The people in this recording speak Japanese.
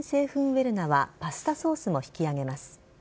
ウェルナはパスタソースも引き上げます。